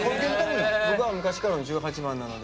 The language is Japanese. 僕は昔からの十八番なので。